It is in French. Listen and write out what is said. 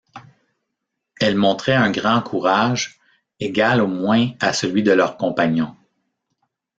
Elles montraient un grand courage, égal au moins à celui de leurs compagnons.